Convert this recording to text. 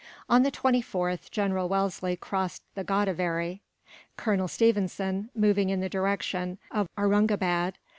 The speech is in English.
On the 24th, General Wellesley crossed the Godavery; Colonel Stephenson moving in the direction of Aurungabad.